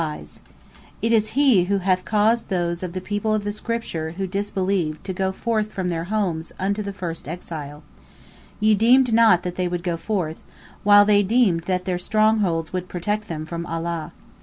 P: He it is Who hath caused those of the People of the Scripture who disbelieved to go forth from their homes unto the first exile. Ye deemed not that they would go forth, while they deemed that their strongholds would protect them from Allah.